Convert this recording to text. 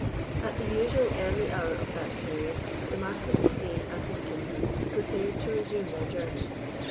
At the usual early hour of that period, the Marquis of A—— and his kinsman prepared to resume their journey.